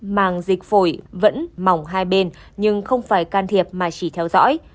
màng dịch phổi vẫn mỏng hai bên nhưng không phải can thiệp mà chỉ theo dõi